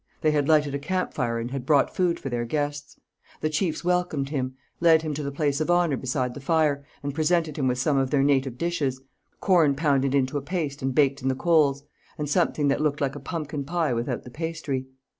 They had lighted a camp fire and had brought food for their guests. The chiefs welcomed him, led him to the place of honour beside the fire, and presented him with some of their native dishes corn pounded into a paste and baked in the coals and something that looked like a pumpkin pie without the pastry.